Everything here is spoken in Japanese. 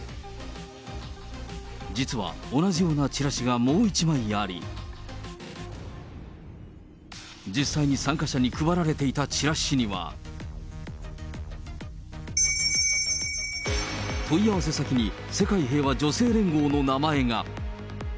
実は、同じようなチラシがもう１枚あり、実際に参加者に配られていたチラシには、問い合わせ先に世界平和女性連合の名前が。